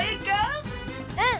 うん！